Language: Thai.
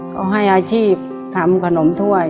เขาให้อาชีพทำขนมถ้วย